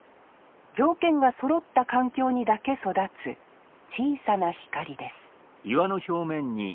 条件がそろった環境にだけ育つ小さな光です